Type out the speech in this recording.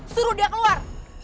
suruh dia keluar